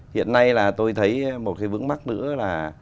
hiện nay là tôi thấy một cái vướng mắt nữa là